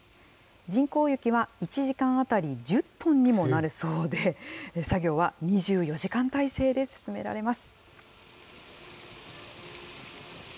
人工雪は１時間当たり１０トンにもなるそうで、作業は２４時間態勢で進められます。